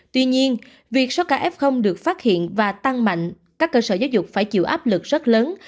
tuy nhiên việc số ca f được phát hiện và tăng mạnh các cơ sở giáo dục phải chịu áp lực rất lớn